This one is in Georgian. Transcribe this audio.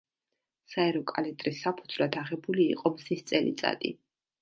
საერო კალენდრის საფუძვლად აღებული იყო მზის წელიწადი.